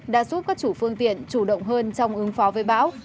đã giúp các chủ phương tiện chủ động hơn trong ứng phó với bão